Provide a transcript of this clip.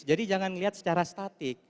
jadi jangan melihat secara statik